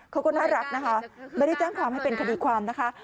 เขาก็น่ารักนะคะไม่ได้แจ้งความให้เป็นคดีความนะคะ